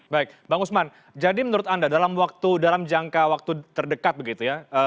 baik bang usman jadi menurut anda dalam jangka waktu terdekat begitu ya